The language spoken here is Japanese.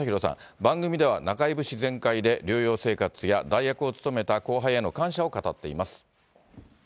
番組では中居節全開で、療養生活や代役を務めた後輩への感謝を語っています。